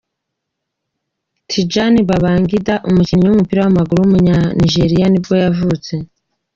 Tijani Babangida, umukinnyi w’umupira w’amaguru w’umunyanijeriya nibwo yavutse.